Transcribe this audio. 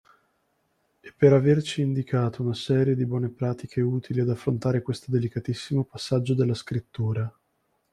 E per averci indicato una serie di buone pratiche utili ad affrontare questo delicatissimo passaggio della scrittura.